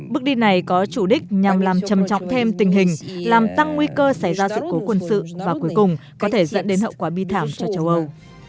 bước đi này có chủ đích nhằm làm trầm trọng thêm tình hình làm tăng nguy cơ xảy ra sự cố quân sự và cuối cùng có thể dẫn đến hậu quả bi thảm cho châu âu